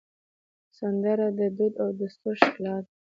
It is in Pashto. سندره د دود او دستور ښکلا ده